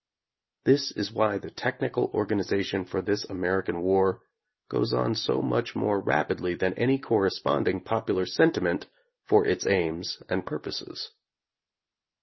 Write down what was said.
This is why the technical organization for this American war goes on so much more rap idly than any corresponding popular sentiment for its aims and purposes.